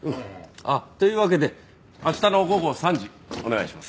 あっというわけで明日の午後３時お願いします。